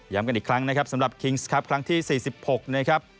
กันอีกครั้งนะครับสำหรับคิงส์ครับครั้งที่๔๖นะครับ